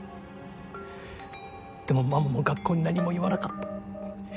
でもママも学校に何も言わなかった。